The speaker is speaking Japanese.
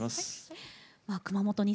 熊本